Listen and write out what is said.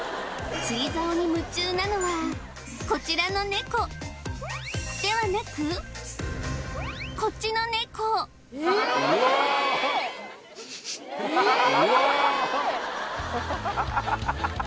釣り竿に夢中なのはこちらのネコこっちのネコえっうわ